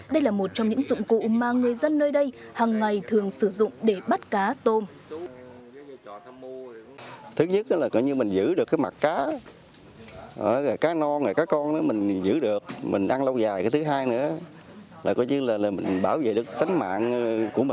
đây là một trong những dụng cụ mà người dân nơi đây hằng ngày thường sử dụng để bắt cá tôm